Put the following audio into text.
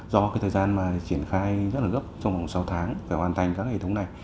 do cái thời gian mà triển khai rất là gấp trong vòng sáu tháng phải hoàn thành các hệ thống này